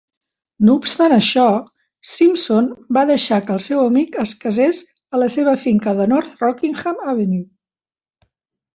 No obstant això, Simpson va deixar que el seu amic es casés a la seva finca de North Rockingham Avenue.